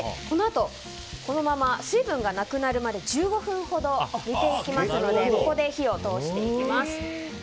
このあと、このまま水分がなくなるまで１５分ほど煮ていきますのでここで火を通していきます。